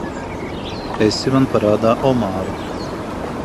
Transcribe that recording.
Esi man parādā par omāru.